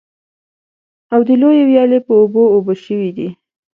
او د لویې ويالې په اوبو اوبه شوي دي.